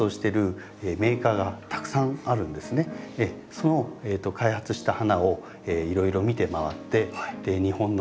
その開発した花をいろいろ見て回って日本の環境